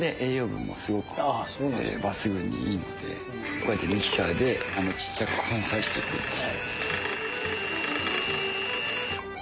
こうやってミキサーで小っちゃく粉砕していくんです。